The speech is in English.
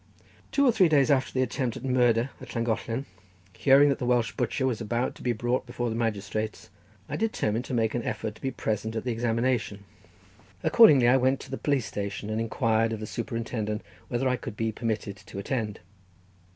Two or three days after the attempt at murder at Llangollen, hearing that the Welsh butcher was about to be brought before the magistrates, I determined to make an effort to be present at the examination. Accordingly I went to the police station and inquired of the superintendent whether I could be permitted to attend.